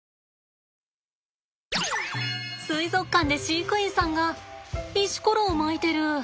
水族館で飼育員さんが石ころをまいてる。